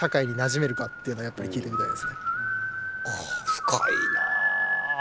深いなあ。